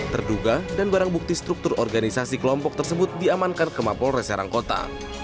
terduga dan barang bukti struktur organisasi kelompok tersebut diamankan ke mapol reserang kota